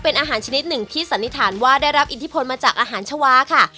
เป็นอาหารชนิดหนึ่งที่สันนิษฐานว่าได้รับอิทธิพลมาจากอาหารชาวาค่ะ